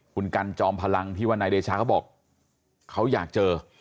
คุณกันจอมพลังที่ว่านายเดชาเขาบอกเขาอยากเจอ